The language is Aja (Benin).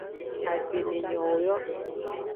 Agbemenyowo yo.